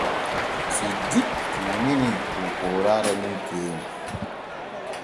Siddi tuuninii poopooraare mum keenya.